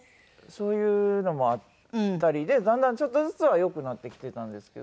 そういうのもあったりでだんだんちょっとずつは良くなってきていたんですけど。